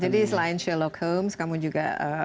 jadi selain sherlock holmes kamu juga cowboy